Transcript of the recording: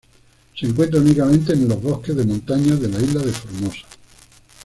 Se encuentra únicamente en los bosques de montaña de la isla de Formosa.